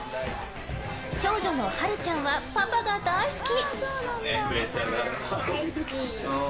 長女の遥琉ちゃんはパパが大好き！